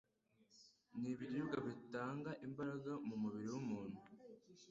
Ni ibiribwa bitanga imbaraga mu mubiri w'umuntu